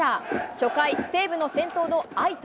初回、西武の先頭の愛斗。